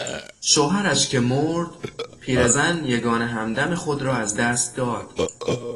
شوهرش که مرد پیرزن یگانه همدم خود را از دست داد.